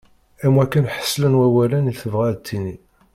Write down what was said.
Am wakken ḥeslen wawalen i tebɣa ad d-tini.